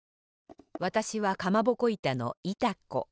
わたしはかまぼこいたのいた子。